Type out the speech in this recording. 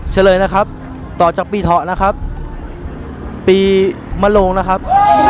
เฉลยนะครับต่อจากปีเถาะนะครับปีมะโลงนะครับ